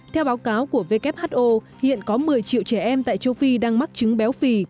theo báo cáo của who hiện có một mươi triệu trẻ em tại châu phi đang mắc chứng béo phì